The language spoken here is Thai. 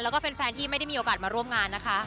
แล้วก็แฟนที่ไม่ได้มีโอกาสมาร่วมงานนะคะ